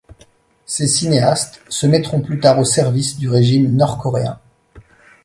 Ces cinéastes se mettront plus tard au service du régime nord-coréen.